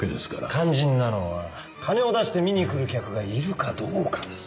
肝心なのは金を出して見にくる客がいるかどうかです。